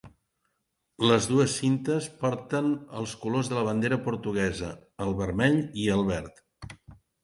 Les dues cintes porten els colors de la bandera portuguesa: el vermell i el verd.